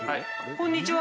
こんにちは。